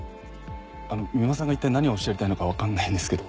三馬さんが一体何をおっしゃりたいのかわからないんですけど。